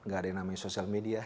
gak ada yang namanya sosial media